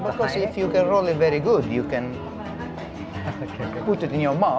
karena kalau kamu bisa menggulungnya dengan baik kamu bisa memasukkannya ke mulut kamu